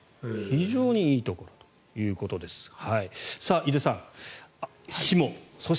非常にいいところということですね。